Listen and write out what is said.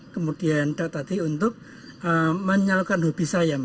kemudian tadi untuk menyalurkan hobi saya